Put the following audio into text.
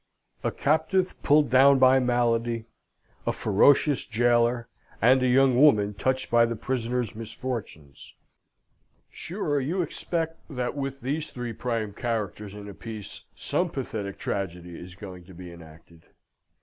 "A captive pulled down by malady, a ferocious gaoler, and a young woman touched by the prisoner's misfortunes sure you expect that, with these three prime characters in a piece, some pathetic tragedy is going to be enacted?